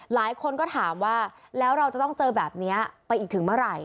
หลายคนก็ถามว่าแล้วเราจะต้องเจอแบบนี้ไปอีกถึงเมื่อไหร่